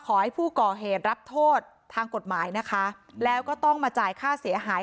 ขอให้ผู้ก่อเหตุรับโทษทางกฎหมายนะคะแล้วก็ต้องมาจ่ายค่าเสียหาย